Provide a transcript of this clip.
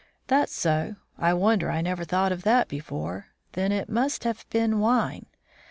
"That's so. I wonder I never thought of that before. Then it must have been wine.